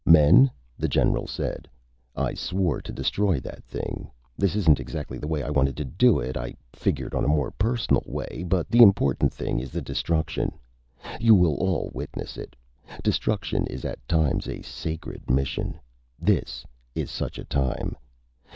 "Men," the general said, "I swore to destroy that thing. This isn't exactly the way I wanted to do it. I figured on a more personal way. But the important thing is the destruction. You will all witness it. Destruction is at times a sacred mission. This is such a time.